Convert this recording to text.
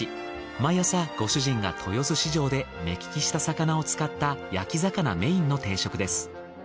毎朝ご主人が豊洲市場で目利きした魚を使った焼き魚メインの定食です。